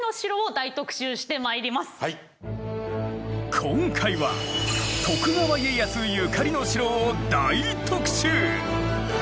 今回は徳川家康ゆかりの城を大特集！